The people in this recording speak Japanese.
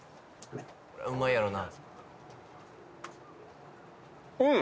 うまいやろなうん！